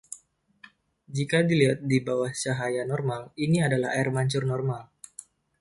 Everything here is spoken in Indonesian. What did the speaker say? Jika dilihat di bawah cahaya normal, ini adalah air mancur normal.